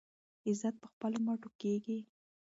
عزت په خپلو مټو کیږي.